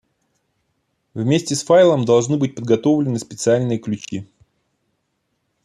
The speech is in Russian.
Вместе с файлом должны быть подготовлены специальные ключи